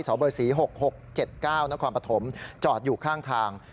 สอบรสี๖๖๗๙นปฐมจอดอยู่ข้างทาง